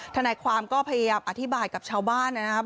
ทนายความก็พยายามอธิบายกับชาวบ้านนะครับ